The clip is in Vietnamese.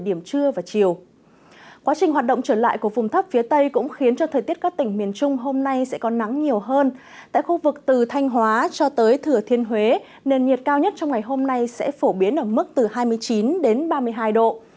do tới thừa thiên huế nền nhiệt cao nhất trong ngày hôm nay sẽ phổ biến ở mức từ hai mươi chín đến ba mươi hai độ